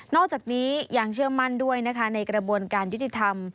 อกจากนี้ยังเชื่อมั่นด้วยนะคะในกระบวนการยุติธรรม